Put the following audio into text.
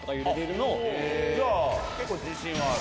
じゃあ結構自信はある？